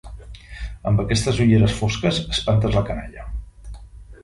Amb aquestes ulleres fosques espantes la canalla.